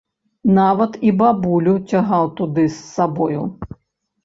Нават і бабулю цягаў туды з сабою.